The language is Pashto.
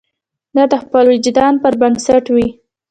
دا د خپل وجدان پر بنسټ وي.